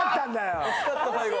惜しかった最後。